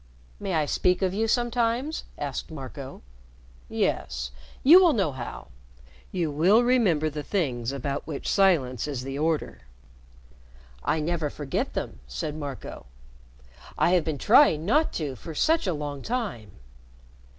"May I speak of you sometimes?" asked Marco. "Yes. You will know how. You will remember the things about which silence is the order." "I never forget them," said Marco. "I have been trying not to, for such a long time."